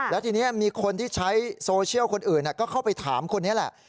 แล้วทีนี้มีคนที่ใช้โซเชียลคนอื่นก็เข้าไปถามคนนี้แหละ